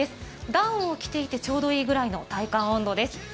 ダウンを着ていて、ちょうどいいくらいの体感温度です。